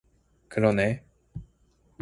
그러네.